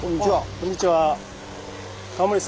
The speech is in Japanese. こんにちは。